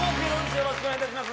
よろしくお願いします。